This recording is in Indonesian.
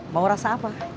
mau rasa apa